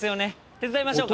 手伝いましょうか？